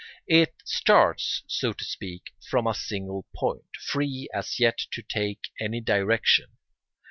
It starts, so to speak, from a single point, free as yet to take any direction.